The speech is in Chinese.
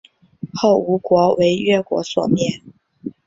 后吴国为越国所灭。